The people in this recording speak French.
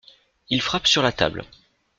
Il frappe sur la table.